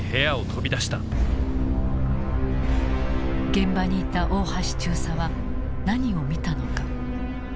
現場にいた大橋中佐は何を見たのか。